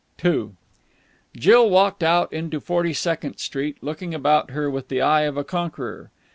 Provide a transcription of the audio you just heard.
II Jill walked out into Forty second Street, looking about her with the eye of a conqueror.